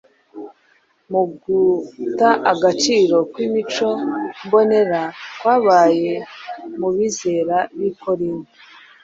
Mu guta agaciro kw’imico mbonera kwabaye mu bizera b’i korinto,